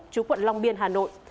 trú quận long biên hà nội